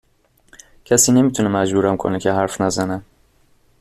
کسی نمی تونه مجبورم کنه که حرف نزنم